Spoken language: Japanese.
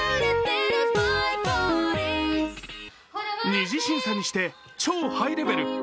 二次審査にして、超ハイレベル。